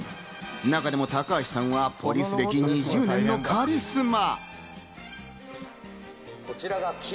中でも高橋さんはポリス歴２０年のカリスマ。